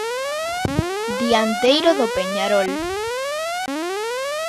Dianteiro do Peñarol.